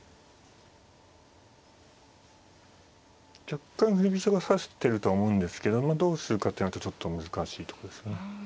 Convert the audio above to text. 若干振り飛車が指してるとは思うんですけどどうするかってなるとちょっと難しいとこですね。